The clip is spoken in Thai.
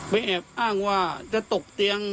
แอบอ้างว่าจะตกเตียง